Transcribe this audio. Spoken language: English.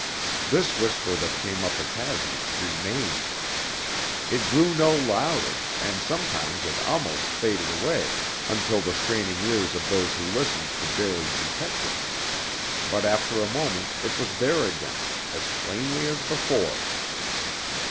This whisper that came up the chasm remained. It grew no louder, and sometimes it almost faded away, until the straining ears of those who listened could barely detect it; but after a moment it was there again, as plainly as before.